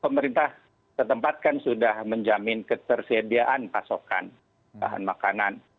pemerintah setempat kan sudah menjamin ketersediaan pasokan bahan makanan